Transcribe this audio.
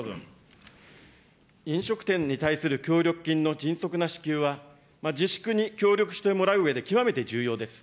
飲食店に対する協力金の迅速な支給は、自粛に協力してもらううえで極めて重要です。